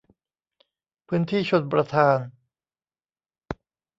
พื้นที่ชลประทาน